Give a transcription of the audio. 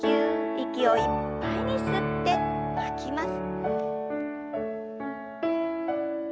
息をいっぱいに吸って吐きます。